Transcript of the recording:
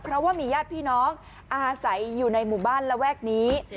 เพราะว่ามีญาติพี่น้องอาศัยอยู่ในหมู่บ้านระแวกนี้